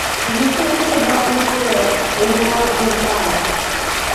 J'ai puni les barons voleurs, les noirs burgraves